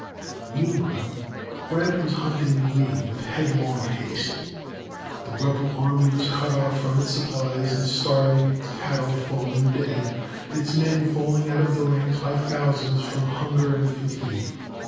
Meanwhile, Grant was hunting Lee with headlong haste. The rebel army was cut off from its supplies and starving, its cattle falling dead, "its men falling out of the ranks by thousands, from hunger and fatigue."